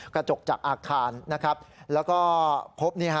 กระจกจากอัคคารแล้วก็พบ